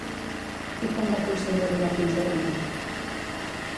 I com va aconseguir arribar fins a ella?